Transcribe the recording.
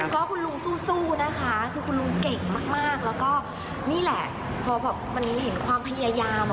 ก็คุณลุงสู้นะคะคือคุณลุงเก่งมากแล้วก็นี่แหละพอแบบมันเห็นความพยายามอ่ะ